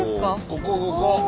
ここここ。